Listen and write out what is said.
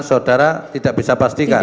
saudara tidak bisa pastikan